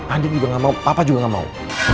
andik juga gak mau papa juga gak mau